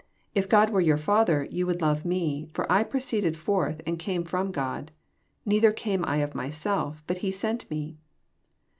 If God were year Father, ye wonld lore me: for I proeeeded forth and oame from God; neither oame I of myself bnt he sent me.